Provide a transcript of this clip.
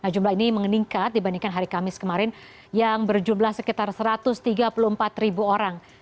jumlah ini meningkat dibandingkan hari kamis kemarin yang berjumlah sekitar satu ratus tiga puluh empat ribu orang